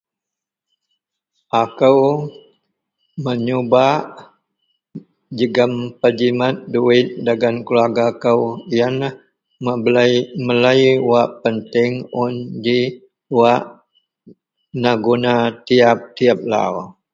Akoi menyubak jegem pejimet duwit dagen keluarga kou ienlah mebelei melei wak penting un ji wak neguna tiyap-tiyap lau